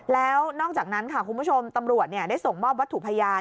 แล้วนอกจากนั้นค่ะคุณผู้ชมตำรวจได้ส่งมอบวัตถุพยาน